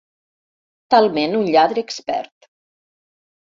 Talment un lladre expert.